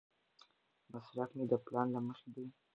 مصرف مې د پلان له مخې دی.